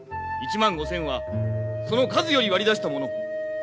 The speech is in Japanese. １万５，０００はその数より割り出したもの。